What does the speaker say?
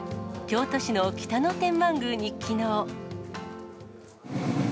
京都市の北野天満宮にきのう。